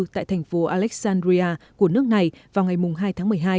tại thành phố alexandria của nước này vào ngày hai tháng một mươi hai